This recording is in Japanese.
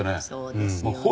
「そうですよね」